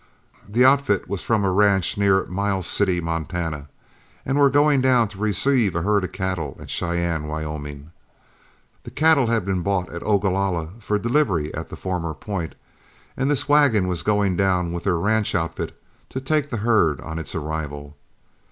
The outfit was from a ranch near Miles City, Montana, and were going down to receive a herd of cattle at Cheyenne, Wyoming. The cattle had been bought at Ogalalla for delivery at the former point, and this wagon was going down with their ranch outfit to take the herd on its arrival.